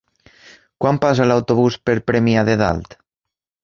Quan passa l'autobús per Premià de Dalt?